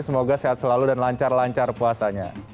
semoga sehat selalu dan lancar lancar puasanya